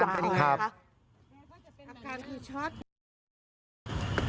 แม่ก็จะซึมแล้วก็อารวาสเป็นบางทั้ง